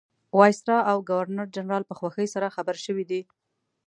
وایسرا او ګورنرجنرال په خوښۍ سره خبر شوي دي.